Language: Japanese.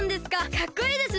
かっこいいですね！